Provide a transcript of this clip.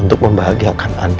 untuk membahagiakan andi